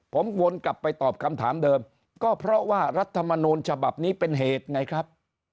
ผมวนกลับไปตอบคำถามเดิมก็เพราะว่ารัฐมนูลฉบับนี้เป็นเหตุไงครับ